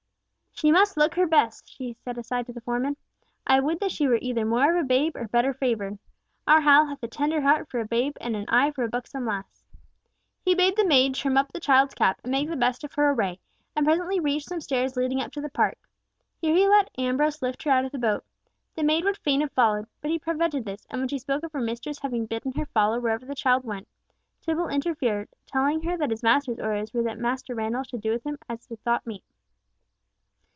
"She must look her best," he said aside to the foreman. "I would that she were either more of a babe or better favoured! Our Hal hath a tender heart for a babe and an eye for a buxom lass." He bade the maid trim up the child's cap and make the best of her array, and presently reached some stairs leading up to the park. There he let Ambrose lift her out of the boat. The maid would fain have followed, but he prevented this, and when she spoke of her mistress having bidden her follow wherever the child went, Tibble interfered, telling her that his master's orders were that Master Randall should do with her as he thought meet.